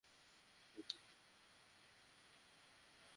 রোববার দিবাগত রাত একটার দিকে মিজান তাঁর ঘরের দরজায় কড়া নাড়েন।